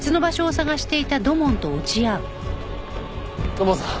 土門さん。